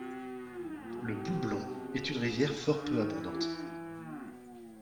Le Boublon est une rivière fort peu abondante.